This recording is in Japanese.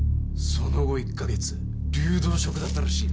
その後１カ月流動食だったらしいな。